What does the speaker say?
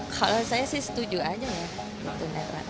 kalau saya sih setuju aja ya itu netral